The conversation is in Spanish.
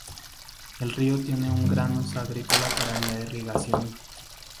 El río tiene un gran uso agrícola para la irrigación.